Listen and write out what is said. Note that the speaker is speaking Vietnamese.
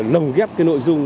lồng ghép cái nội dung